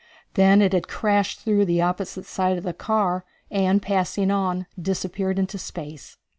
Then it had crashed through the opposite side of the car, and, passing on, disappeared into space.